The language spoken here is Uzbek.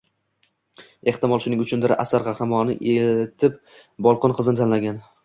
Ehtimol, shuning uchundir asar qahramoni etib bolqon qizini tanlagan